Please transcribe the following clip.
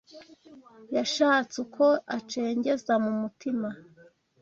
Yashatse uko acengeza mu mutima